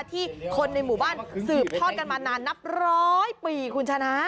ที่คนในหมู่บ้านสืบทอดกันมานานนับร้อยปีคุณชนะ